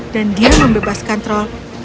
dan dia membebaskan troll